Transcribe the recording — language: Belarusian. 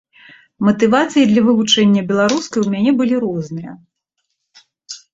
Матывацыі для вывучэння беларускай у мяне былі розныя.